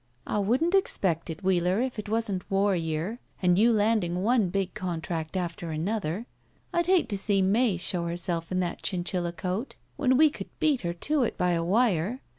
"I wouldn't expect it, Wheeler, if it wasn't war year and you landing one big contract after another. I'd hate to see May show herself in that chinchilla coat when we could beat her to it by a wire.